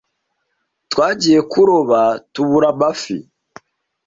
twagiye Kuroba tubura amafi